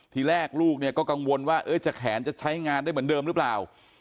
ทีแรกลูกเนี่ยก็กังวลว่าจะแขนจะใช้งานได้เหมือนเดิมหรือเปล่า